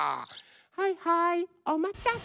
はいはいおまたせ。